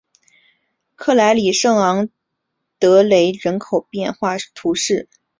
克莱里圣昂德雷人口变化图示